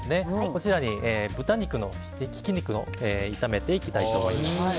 こちらに豚肉のひき肉を炒めていきたいと思います。